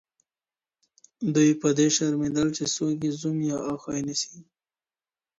دوی پدې شرمېدل چي څوک ئې زوم يا اخښی نسي.